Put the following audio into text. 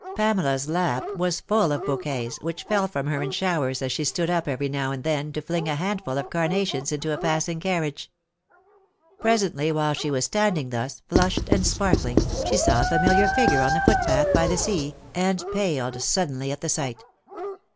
Pamela's lap was full of bouquets, which fell from her in showers as she stood up every now and then to fling a handful of carnations into a passing carriage. Presently, while she was standing thus, flushed and sparkling, she saw a familiar figure on the footpath by the sea, and paled suddenly at the sight.